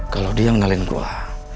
kalau dia ngalain gue